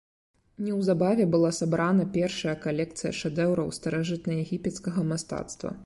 Неўзабаве была сабрана першая калекцыя шэдэўраў старажытнаегіпецкага мастацтва.